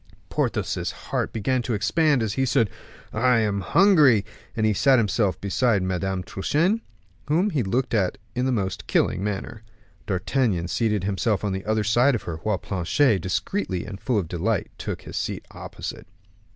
Porthos's heart began to expand as he said, "I am hungry," and he sat himself beside Madame Truchen, whom he looked at in the most killing manner. D'Artagnan seated himself on the other side of her, while Planchet, discreetly and full of delight, took his seat opposite.